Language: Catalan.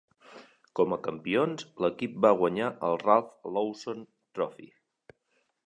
Com a campions, l'equip va guanyar el Ralph Lawson Trophy.